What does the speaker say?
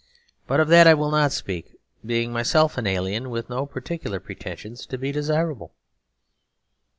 But of that I will not speak, being myself an alien with no particular pretensions to be desirable.